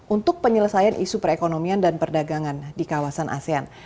untuk penyelesaian isu perekonomian dan perdagangan di kawasan asean